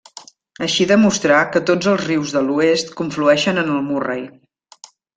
Així demostrà que tots els rius de l'oest conflueixen en el Murray.